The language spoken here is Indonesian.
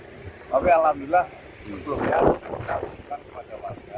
tapi alhamdulillah sebelumnya kita bukan kewajabannya